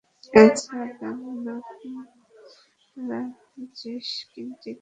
আচ্ছা, তার নাম রাজেশ, ঠিক আছে?